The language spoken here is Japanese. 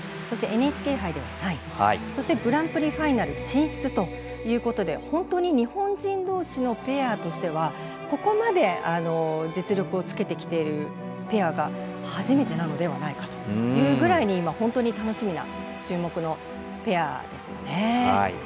そして、ＮＨＫ杯では３位そしてグランプリファイナル進出ということで本当に日本人同士のペアとしてはここまで実力をつけてきているペアは初めてなのではないかというくらい本当に楽しみな注目のペアです。